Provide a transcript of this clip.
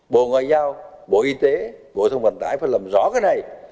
bộ ngoại giao bộ y tế bộ thông vận tải phải làm rõ cái này